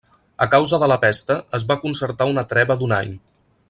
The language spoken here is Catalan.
A causa de la pesta es va concertar una treva d'un any.